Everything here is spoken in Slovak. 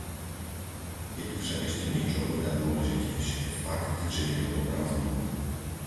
Je tu však ešte niečo oveľa dôležitejšie. Fakt, že je to dobrá zmluva.